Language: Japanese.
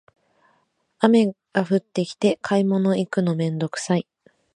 雨が降ってきて買い物行くのめんどくさい